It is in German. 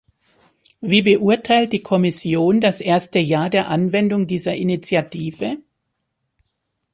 Wie beurteilt die Kommission das erste Jahr der Anwendung dieser Initiative?